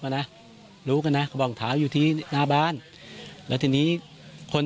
ว่าน่ะลูกน่ะเขาบอกถาอยู่ที่หน้าบ้านแล้วทีนี้คน